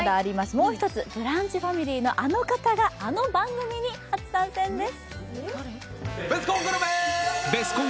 もう１つ、「ブランチ」ファミリーのあの方が、あの番組に初参戦です。